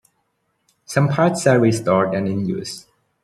Some parts are restored and in use.